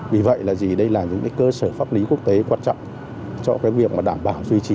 vì vậy đây là những cơ sở pháp lý quốc tế quan trọng cho việc đảm bảo duy trì